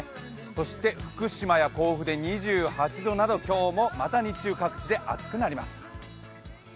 そして、福島や甲府で２８度など今日もまた日中、各地で暑くなります。